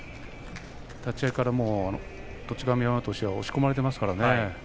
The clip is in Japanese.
立ち合いから栃神山としては押し込まれていましたからね。